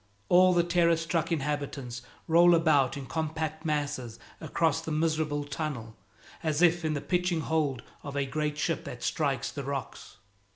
All the terror struck inhabitants roll about in compact masses across the miserable tunnel, as if in the pitching hold of a great ship that strikes the rocks.